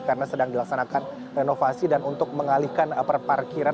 karena sedang dilaksanakan renovasi dan untuk mengalihkan perparkiran